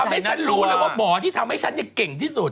ฉันรู้เลยว่าหมอที่ทำให้ฉันเก่งที่สุด